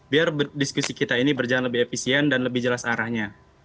biar diskusi kita ini berjalan lebih efisien dan lebih jelas arahnya